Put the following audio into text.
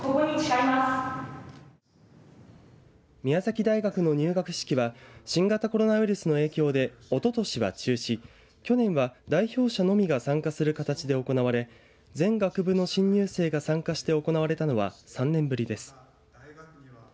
宮崎大学の入学式は新型コロナウイルスの影響でおととしは中止、去年は代表者のみが参加する形で行われ全学部の新入生が参加して行われたのは３年ぶりです。